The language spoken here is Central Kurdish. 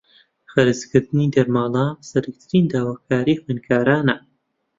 خەرجکردنی دەرماڵە سەرەکیترین داواکاریی خوێندکارانە